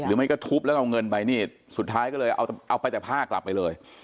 มันก็ทุบแล้วก็เอาเงินไปนี่สุดท้ายก็เลยเอาไปแต่ผ้ากลับไปเลย